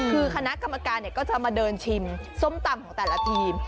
คือคณะกรรมการก็จะมาเดินชิมส้มตำของแต่ละทีม